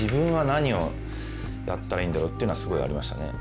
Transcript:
「そうですよね」っていうのはすごいありましたね。